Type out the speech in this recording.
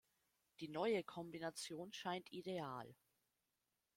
Die neue Kombination scheint ideal.